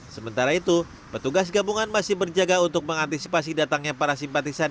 sementara itu petugas gabungan masih berjaga untuk mengantisipasi datangnya para simpatisan